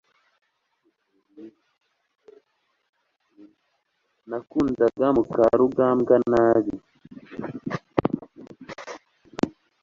nakundaga mukarugambwa nabi